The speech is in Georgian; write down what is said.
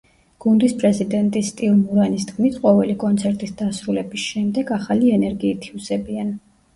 გუნდის პრეზიდენტის, სტივ მურანის თქმით, ყოველი კონცერტის დასრულების შემდეგ ახალი ენერგიით ივსებიან.